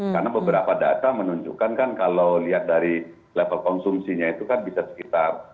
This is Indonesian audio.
karena beberapa data menunjukkan kan kalau lihat dari level konsumsinya itu kan bisa sekitar